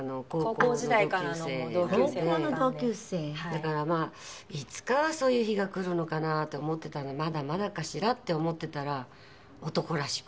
だからまあいつかはそういう日が来るのかなと思ってたまだまだかしらって思ってたら男らしく